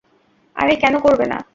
আরে কেন করবে না?